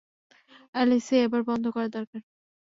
Alicia, এবার বন্ধ করা দরকার।